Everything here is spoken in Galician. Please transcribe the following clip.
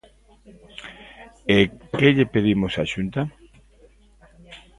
¿E que lle pedimos á Xunta?